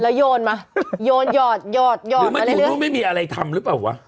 แล้วยนมาโยนยอดยอดยอดอะไรเรื่อยหรือมันคุณรู้ไม่มีอะไรทำหรือเปล่าวะ